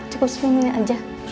cukup semenit aja